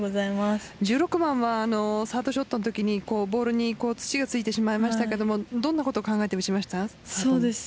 １６番はサードショットのときにボールに土がついてしまいましたがどんなことを考えて打ちました？